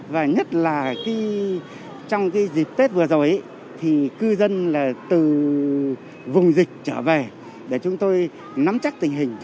và nhất là trong dịp tết vừa rồi thì cư dân là từ vùng dịch trở về để chúng tôi nắm chắc tình hình